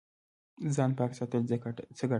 ځان پاک ساتل څه ګټه لري؟